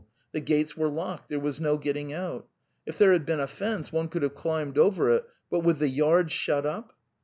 Phe gates were locked; there was no getting out. If there had been a fence one could have climbed over it, but with the yard shut up!